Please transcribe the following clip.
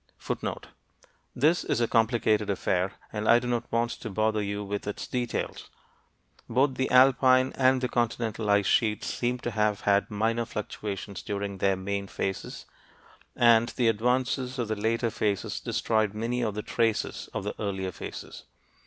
This is a complicated affair and I do not want to bother you with its details. Both the alpine and the continental ice sheets seem to have had minor fluctuations during their main phases, and the advances of the later phases destroyed many of the traces of the earlier phases.